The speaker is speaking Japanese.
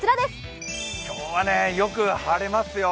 今日はよく晴れますよ。